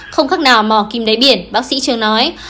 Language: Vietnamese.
không khác nào mò kim đáy biển bác sĩ chưa nói